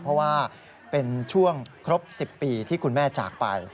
เพราะว่าเป็นช่วงครบ๑๐ปีที่คุณแม่จากไป